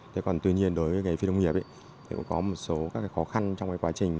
tuy nhiên đối với nghề phi nông nghiệp có một số khó khăn trong quá trình